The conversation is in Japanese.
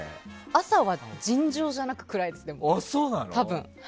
朝は尋常じゃなく暗いですけど、多分。